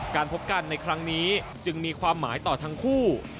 การพบกันในครั้งนี้จึงมีความหมายต่อทั้งคู่